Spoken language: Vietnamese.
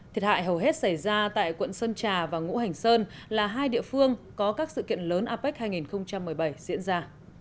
thiệt hại hầu hết xảy ra tại quận sơn trà và ngũ hành sơn là hai địa phương có các sự kiện lớn apec hai nghìn một mươi bảy diễn ra